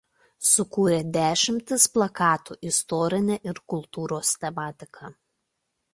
Sukūrė dešimtis plakatų istorine ir kultūros tematika.